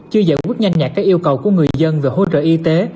chưa giải quyết nhanh nhạt các yêu cầu của người dân về hỗ trợ y tế